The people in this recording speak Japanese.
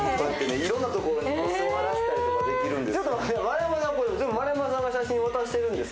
いろんなところに座らせたりできるんです。